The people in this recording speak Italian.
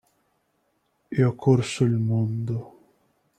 E ho corso il mondo.